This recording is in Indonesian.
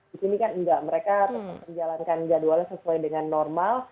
di sini kan enggak mereka tetap menjalankan jadwalnya sesuai dengan normal